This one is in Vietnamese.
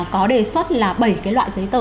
có đề xuất là bảy cái loại giấy tờ